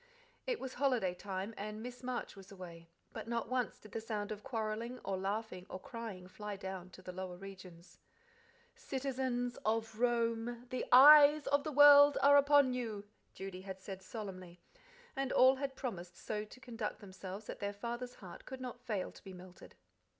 It was holiday time, and Miss Marsh was away, but not once did the sound of quarrelling, or laughing, or crying fly down to the lower regions. "'Citizens of Rome, the eyes of the world are upon you!'" Judy had said solemnly, and all had promised so to conduct themselves that their father's heart could not fail to be melted.